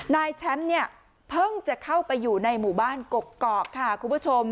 นายแชมป์เนี่ยเพิ่งจะเข้าไปอยู่ในหมู่บ้านกกอกค่ะคุณผู้ชม